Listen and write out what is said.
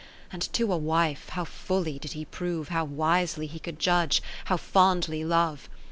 50 And to a wife how fully did he prove How wisely he could judge, how fondly love